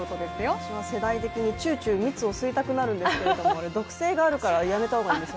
私は世代的にチューチュー蜜を吸いたくなるんですが毒性があるのでやめたほうがいいです。